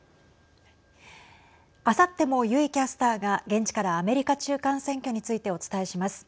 あさっても油井キャスターが現地からアメリカ中間選挙についてお伝えします。